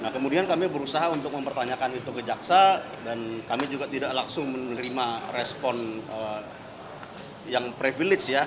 nah kemudian kami berusaha untuk mempertanyakan itu ke jaksa dan kami juga tidak langsung menerima respon yang privilege ya